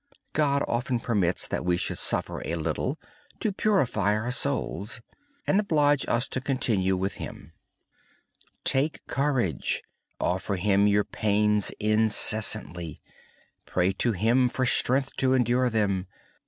God often permits us to suffer a little to purify our souls and oblige us to stay close to Him. Take courage. Offer Him your pain and pray to Him for strength to endure them.